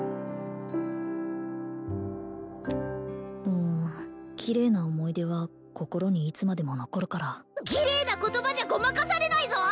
うんキレイな思い出は心にいつまでも残るからキレイな言葉じゃごまかされないぞ